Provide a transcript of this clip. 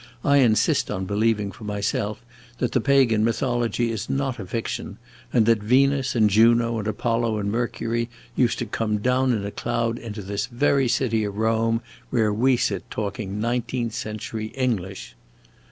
I insist on believing, for myself, that the pagan mythology is not a fiction, and that Venus and Juno and Apollo and Mercury used to come down in a cloud into this very city of Rome where we sit talking nineteenth century English."